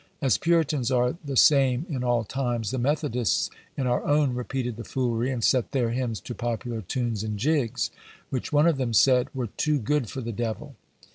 As Puritans are the same in all times, the Methodists in our own repeated the foolery, and set their hymns to popular tunes and jigs, which one of them said "were too good for the devil."